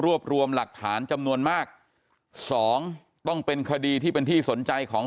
รวมรวมหลักฐานจำนวนมากสองต้องเป็นคดีที่เป็นที่สนใจของ